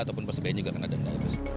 ataupun persebaian juga kena denda